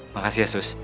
makasih ya sus